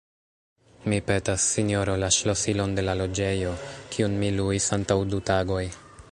Mi petas, sinjoro, la ŝlosilon de la loĝejo, kiun mi luis antaŭ du tagoj.